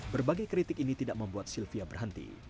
berbagai kritik ini tidak membuat sylvia berhenti